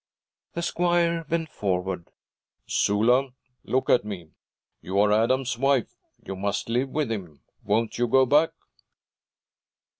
The squire bent forward. 'Sula, look at me. You are Adam's wife. You must live with him. Won't you go back?'